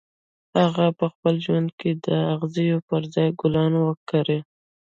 هغه په خپل ژوند کې د اغزیو پر ځای ګلان وکرل